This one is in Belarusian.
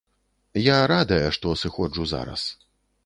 Я радая, што сыходжу зараз.